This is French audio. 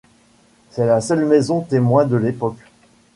C'est la seule maison témoin de l'époque.